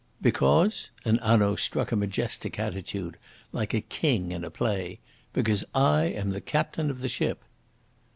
"Because" and Hanaud struck a majestic attitude, like a king in a play "because I am the captain of the ship."